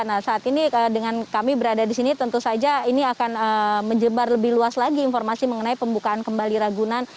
nah saat ini dengan kami berada di sini tentu saja ini akan menjembar lebih luas lagi informasi mengenai pembukaan kembali ragunan